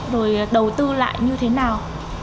rồi đầu tư lại như thế nào